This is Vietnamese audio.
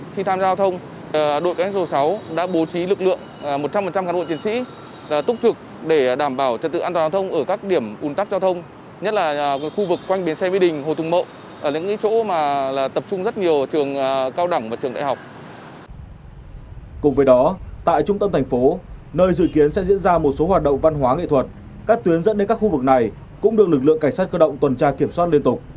các tuyến dẫn đến các khu vực này cũng được lực lượng cảnh sát cơ động tuần tra kiểm soát liên tục